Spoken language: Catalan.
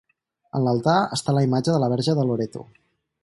En l'altar està la imatge de la Verge de Loreto.